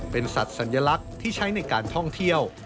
เป็นสัตว์สัญลักษณ์ที่ใช้ในการท่องเที่ยว